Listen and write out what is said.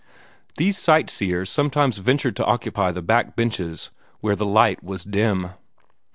These sight seers sometimes ventured to occupy the back benches where the light was dim.